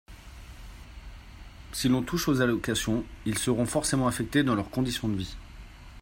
Si l’on touche aux allocations, ils seront forcément affectés dans leurs conditions de vie